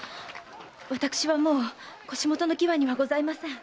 私はもう腰元の喜和にはございません。